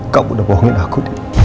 kamu udah bohongin aku